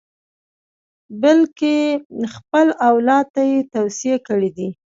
بلکې خپل اولاد ته یې توصیې کړې دي.